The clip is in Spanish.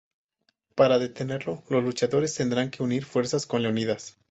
Para detenerlo, los luchadores tendrán que unir fuerzas con Leonidas.